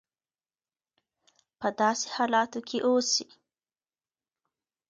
په داسې حالاتو کې اوسي.